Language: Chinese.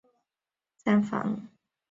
跨站式站房。